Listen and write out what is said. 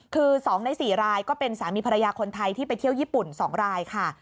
คือ๒ใน๔รายก็เป็นสามีภรรยาคนไทยที่ไปเที่ยวญี่ปุ่น๒รายค่ะ